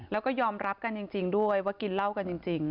แล้วก็ยอมรับกันจริงด้วยว่ากินเหล้ากันจริง